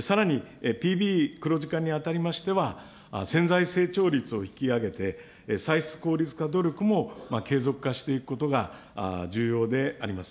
さらにＰＢ黒字化にあたりましては、潜在成長率を引き上げて、歳出効率化努力も継続化していくことが重要であります。